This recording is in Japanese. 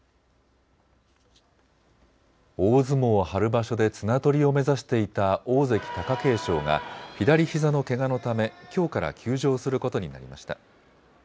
大相撲春場所で綱取りを目指していた大関・貴景勝が左ひざのけがのため、きょうから休場することになりました。